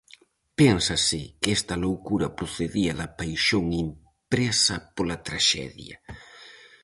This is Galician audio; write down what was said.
Pénsase que esta loucura procedía da paixón impresa pola traxedia.